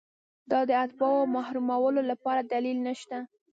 دا د اتباعو محرومولو لپاره دلیل نشته.